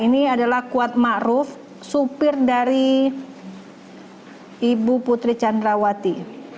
ya ini adalah kuat ma'ruf supir dari ibu putri candrawati